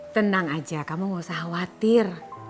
tenang aja kamu gak usah khawatir